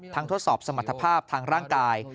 ทดสอบสมรรถภาพทางร่างกาย